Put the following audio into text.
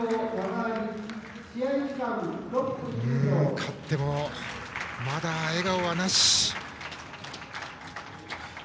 勝ってもまだ笑顔はなし。